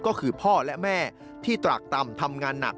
ก็คือพ่อและแม่ที่ตรากต่ำทำงานหนัก